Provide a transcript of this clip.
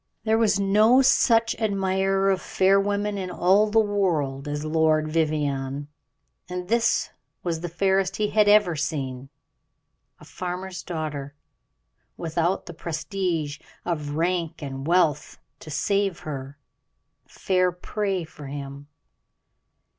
There was no such admirer of fair women in all the world as Lord Vivianne, and this was the fairest he had ever seen. A farmer's daughter, without the prestige of rank and wealth to save her fair prey for him.